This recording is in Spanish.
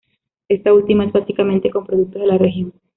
Esta última es básicamente con productos de la región.